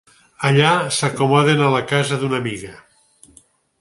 Allà s'acomoden a la casa d'una amiga.